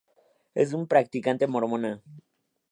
Es una practicante mormona.